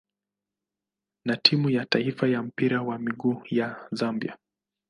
na timu ya taifa ya mpira wa miguu ya Zambia.